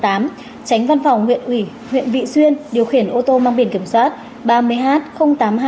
tránh văn phòng huyện ủy huyện vị xuyên điều khiển ô tô mang biển kiểm soát ba mươi h tám nghìn hai trăm hai mươi ba